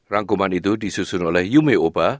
rangkuman itu disusun oleh yumi oba